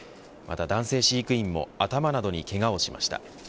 また男性飼育員も頭などにけがをしました。